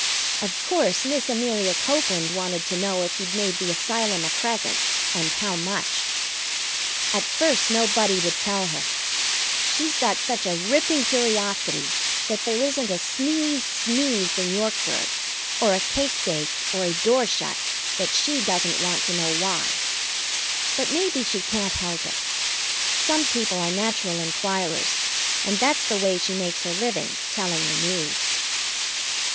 Of course, Miss Amelia Cokeland wanted to know if he'd made the Asylum a present, and how much. At first nobody would tell her. She's got such a ripping curiosity that there isn't a sneeze sneezed in Yorkburg, or a cake baked, or a door shut that she doesn't want to know why. But maybe she can't help it. Some people are natural inquirers, and that's the way she makes her living, telling the news.